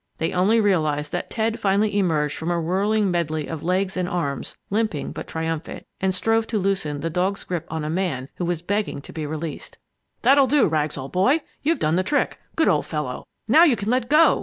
They only realized that Ted finally emerged from a whirling medley of legs and arms, limping but triumphant, and strove to loosen the dog's grip on a man who was begging to be released. "That'll do, Rags, old boy! You've done the trick! Good old fellow! Now you can let go!"